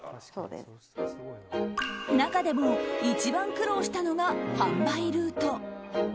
中でも一番苦労したのが販売ルート。